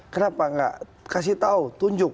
kenapa nggak kasih tahu tunjuk